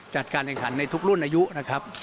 จัดการแข่งขันในทุกรุ่นอายุนะครับ